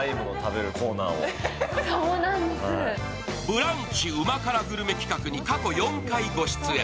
「ブランチ」旨辛グルメ企画に毎回出演。